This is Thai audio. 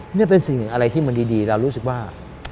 นี่เป็นสิ่งหนึ่งอะไรที่มันดีเรารู้สึกว่า